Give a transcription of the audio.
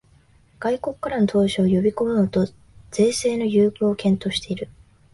外国からの投資を呼びこもうと税制の優遇を検討している